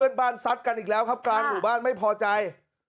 เพื่อนบ้านสัตว์กันอีกแล้วครับการหมู่บ้านไม่พอใจ